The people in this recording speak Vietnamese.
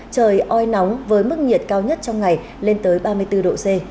trời oi nóng với mức nhiệt cao nhất trong ngày lên tới ba mươi bốn độ c